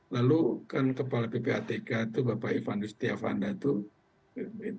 lalu kan kepala ppatk itu bapak ivan yustiavanda itu